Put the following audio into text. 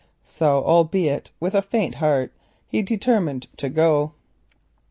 So, albeit with a faint heart, he determined to go.